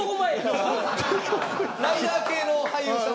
ライダー系の俳優さん。